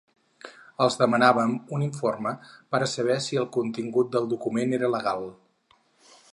Els demanaven un informe per a saber si el contingut del document era legal.